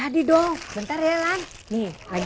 jadi udah gak mau mikirin pas field guys lagi